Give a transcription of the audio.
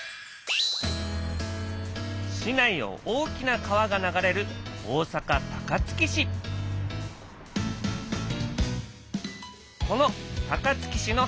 市内を大きな川が流れる大阪・高槻市。